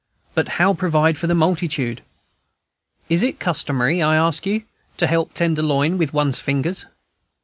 But how provide for the multitude? Is it customary, I ask you, to help to tenderloin with one's fingers?